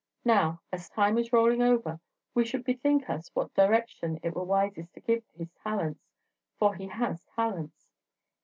Now, as time is rolling over, we should bethink us what direction it were wisest to give his talents; for he has talents."